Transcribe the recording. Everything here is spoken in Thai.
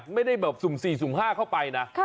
ไม่ได้สุ่มสี่สุ่มห้าเข้าไปนะ